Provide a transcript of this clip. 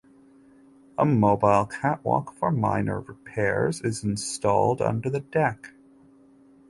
A mobile catwalk for minor repairs is installed under the deck.